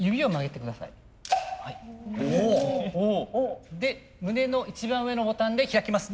お！で胸の一番上のボタンで開きます。